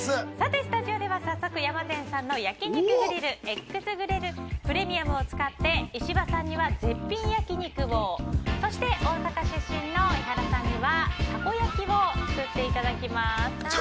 スタジオでは早速山善さんの焼肉グリルＸＧＲＩＬＬＰＲＥＭＩＵＭを使って、石破さんに絶品焼き肉を大阪出身の伊原さんにはたこ焼きを作っていただきます。